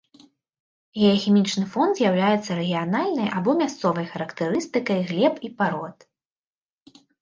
Геахімічны фон з'яўляецца рэгіянальнай або мясцовай характарыстыкай глеб і парод.